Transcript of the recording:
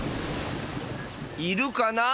いるかなあ？